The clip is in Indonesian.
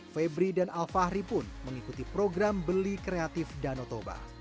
febri dan alfahri pun mengikuti program beli kreatif danotoba